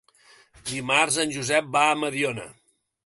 Dimarts en Josep va a Mediona.